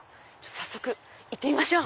早速行ってみましょう。